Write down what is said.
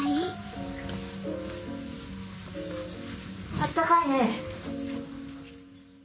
あったかいね。